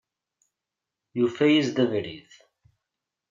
Yufa-yas-d abrid!